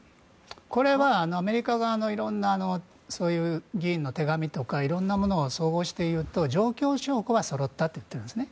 これはアメリカ側の議員の手紙とか色んなものを総合して言うと状況証拠はそろったと言っているんですね。